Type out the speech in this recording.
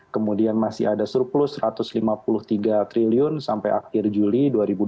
kemudian masih ada surplus rp satu ratus lima puluh tiga triliun sampai akhir juli dua ribu dua puluh